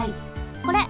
これ。